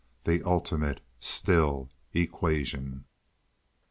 The ultimate, still, equation.